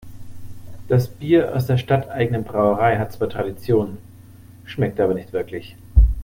Das Bier aus der stadteigenen Brauerei hat zwar Tradition, schmeckt aber nicht wirklich.